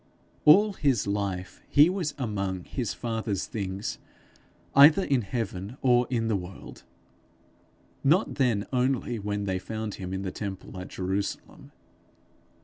All his life he was among his father's things, either in heaven or in the world not then only when they found him in the temple at Jerusalem.